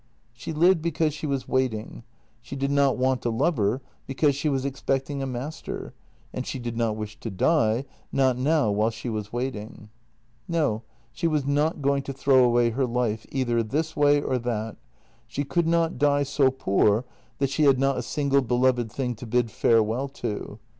She lived because she was waiting; she did not want a lover, because she was expecting a master, and she did not wish to die — not now while she was waiting. No, she was not going to throw away her life either this way or that; she could not die so poor that she had not a single beloved thing to bid farewell to.